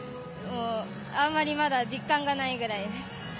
あまりまだ実感がないぐらいです。